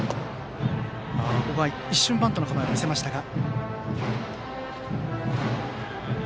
一瞬、バントの構えを見せましたが。